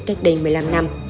cách đầy một mươi năm năm